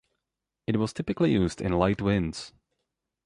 It was typically used in light winds.